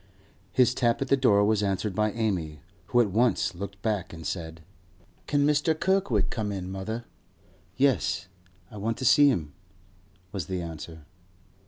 His tap at the door was answered by Amy, who at once looked back and said: 'Can Mr. Kirkwood come in, mother?' 'Yes; I want to see him,' was the answer.